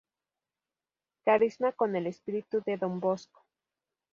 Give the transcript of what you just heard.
Carisma con el espíritu de Don Bosco.